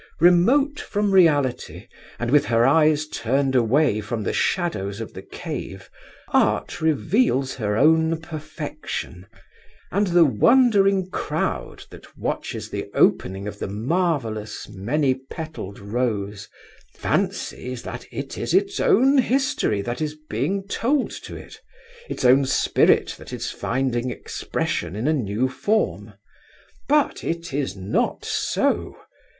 Remote from reality, and with her eyes turned away from the shadows of the cave, Art reveals her own perfection, and the wondering crowd that watches the opening of the marvellous, many petalled rose fancies that it is its own history that is being told to it, its own spirit that is finding expression in a new form. But it is not so.